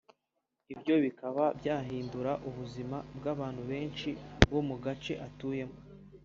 ibyo bikaba byahindura ubuzima bw’abantu benshi bo mu gace atuyemo